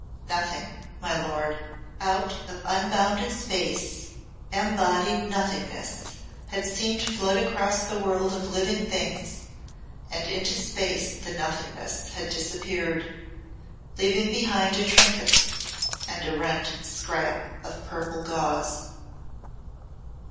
"Nothing, my lord." Out of unbounded space embodied nothingness had seemed to float across the world of living things, and into space the nothingness had disappeared leaving behind a trinket and a rent scrap of purple gauze.